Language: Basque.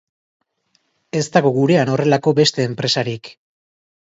Ez dago gurean horrelako beste enpresarik.